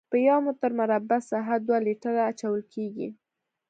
په یو متر مربع ساحه دوه لیټره اچول کیږي